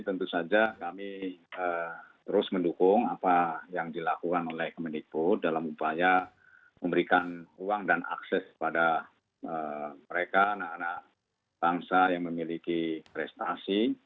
tentu saja kami terus mendukung apa yang dilakukan oleh kemendikbud dalam upaya memberikan ruang dan akses kepada mereka anak anak bangsa yang memiliki prestasi